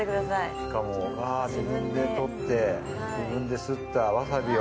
しかも、自分で取って自分ですったわさびを。